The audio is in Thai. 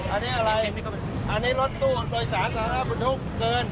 อันนี้อะไรอันนี้รถตู้โดยสาร๓๖๕๓๐๐๐คือเกิน